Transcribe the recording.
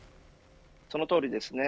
そのとおりですね。